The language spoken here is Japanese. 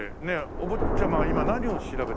お坊ちゃまは今何を調べて？